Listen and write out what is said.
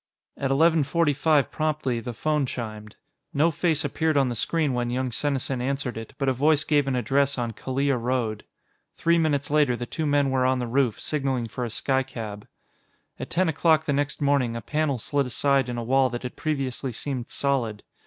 At eleven forty five promptly, the phone chimed. No face appeared on the screen when young Senesin answered it, but a voice gave an address on Kalia Road. Three minutes later, the two men were on the roof, signaling for a skycab. At ten o'clock the next morning, a panel slid aside in a wall that had previously seemed solid.